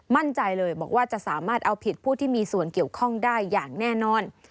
มั่นใจเลยบอกว่าจะสามารถเอาผิดผู้ที่มีส่วนเกี่ยวข้องได้อย่างแน่นอน